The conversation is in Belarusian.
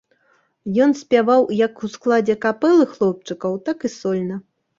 Ён спяваў як у складзе капэлы хлопчыкаў, так і сольна.